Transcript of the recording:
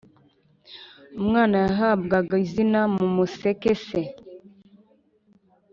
Umwana yahabwaga izina mu museke. Se